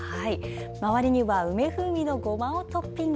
周りには梅風味のごまをトッピング。